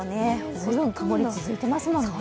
随分曇り続いていますものね。